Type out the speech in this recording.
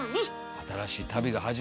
新しい旅が始まったと。